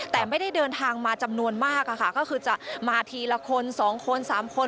แต่ไม่ได้เดินทางมาจำนวนมากค่ะก็คือจะมาทีละคน๒คน๓คน